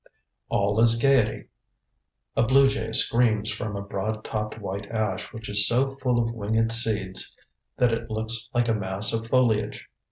All is gaiety. A blue jay screams from a broad topped white ash which is so full of winged seeds that it looks like a mass of foliage.